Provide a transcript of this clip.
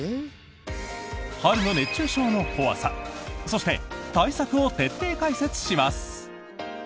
春の熱中症の怖さそして、対策を徹底解説します。